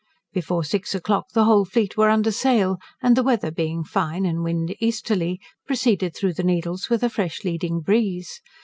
Before six o'clock the whole fleet were under sail; and, the weather being fine and wind easterly, proceeded through the Needles with a fresh leading breeze.